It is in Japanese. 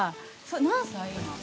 何歳？